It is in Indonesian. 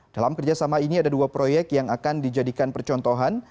dalam kerjasama ini ada dua proyek yang akan dijadikan percontohan